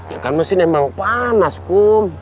ya kan mesin emang panas kum